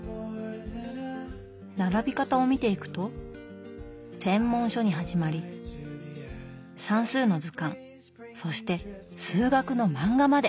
並び方を見ていくと専門書に始まり算数の図鑑そして数学の漫画まで。